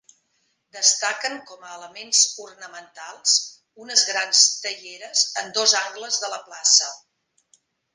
Destaquen com a elements ornamentals unes grans teieres en dos angles de la plaça.